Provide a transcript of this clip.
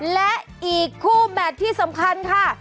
และอีกคู่แมทที่สำคัญค่ะ